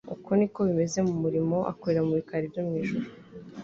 Uko ni ko bimeze mu murimo akorera mu bikari byo mu ijuru,